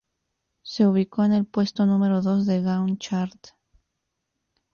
Se ubicó en el puesto número dos de Gaon Chart.